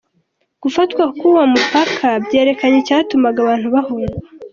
Gufatwa kw’uwo mupaka, byerekanye icyatumaga abantu bahunga.